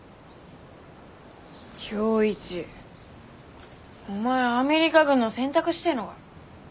今日一お前アメリカ軍の洗濯してえのか？